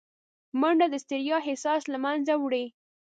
منډه د ستړیا احساس له منځه وړي